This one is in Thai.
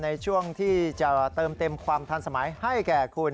ในช่วงที่จะเติมเต็มความทันสมัยให้แก่คุณ